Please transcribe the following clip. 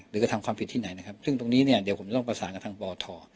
กระทำความผิดที่ไหนนะครับซึ่งตรงนี้เนี่ยเดี๋ยวผมต้องประสานกับทางปท